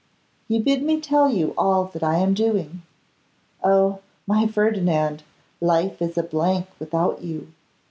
You bid me tell you all that I am doing. Oh! my Ferdinand, life is a blank without you.